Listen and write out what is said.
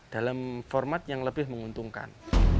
dalam format yang lebih menguntungkan